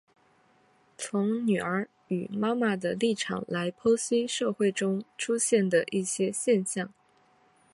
从女儿与妈妈的立场来剖析社会中出现的一些现象。